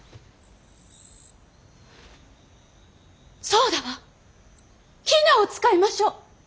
そうだわ比奈を使いましょう。